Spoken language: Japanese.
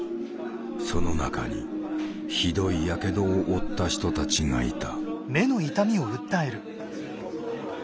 その中にひどい火傷を負った人たちがいた。